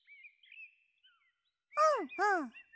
うんうん。